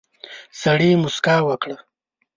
سړي موسکا وکړه.